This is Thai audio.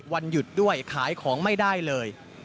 วันหยุดด้วยขายของไม่ได้เลย